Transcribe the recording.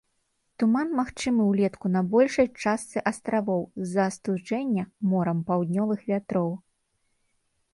Туман магчымы ўлетку на большай частцы астравоў, з-за астуджэння морам паўднёвых вятроў.